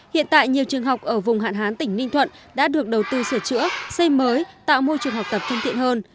hiện tại nhiều trường học ở vùng hạn hán tỉnh ninh thuận đã được đầu tư sửa chữa xây mới tạo môi trường học tập thông tiện hơn